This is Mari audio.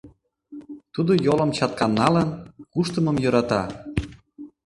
Тудо йолым чаткан налын куштымым йӧрата.